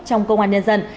trong công an nhân dân